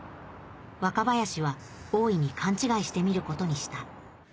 若林は大いに勘違いしてみることにしたあの。